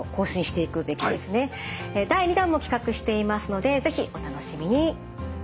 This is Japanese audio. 第２弾も企画していますので是非お楽しみに。